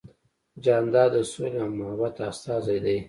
جانداد د سولې او محبت استازی دی.